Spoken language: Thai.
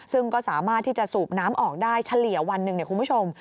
ซึ่งก็สามารถที่จะสูบน้ำออกได้เฉลี่ยวันหนึ่งคุณผู้ชม